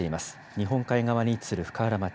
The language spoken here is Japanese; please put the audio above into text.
日本海側に位置する深浦町。